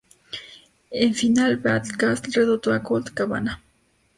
En Final Battle Castle derrotó a Colt Cabana.